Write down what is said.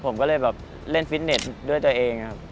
ผมก็เลยแบบเล่นฟิตเน็ตด้วยตัวเองครับ